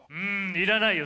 いらないよ